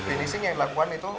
finishing yang dilakukan itu